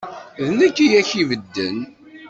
D nekk i ak-ibedden.